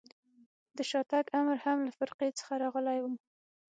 د شاتګ امر هم له فرقې څخه راغلی و.